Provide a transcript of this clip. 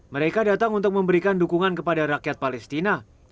mereka datang untuk memberikan dukungan kepada rakyat palestina